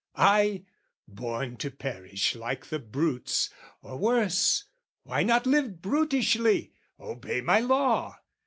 "I, born to perish like the brutes, or worse, "Why not live brutishly, obey my law?